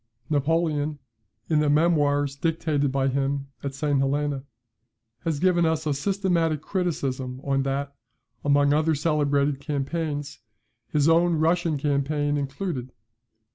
Napoleon, in the memoirs dictated by him at St. Helena, has given us a systematic criticism on that, among other celebrated campaigns, his own Russian campaign included.